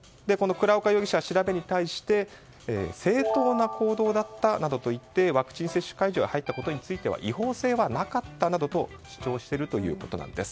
倉岡容疑者は調べに対し正当な行動だったなどと言ってワクチン接種会場へ入ったことについては違法性はなかったなどと主張しているということです。